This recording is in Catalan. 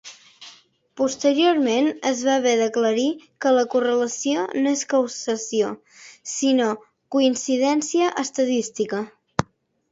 Posteriorment es va haver d'aclarir que la correlació no és causació, sinó coincidència estadística.